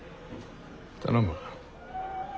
頼む。